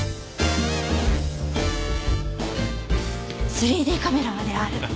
３Ｄカメラまである。